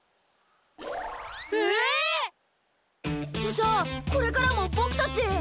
じゃあこれからもボクたち。